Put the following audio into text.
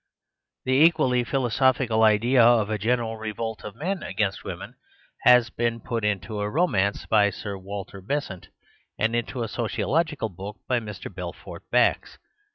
The equally philosophical idea of a general revolt of men against women has been put into a romance by Sir Walter Besant, and into a sociological book by Mr. Belfort Bax.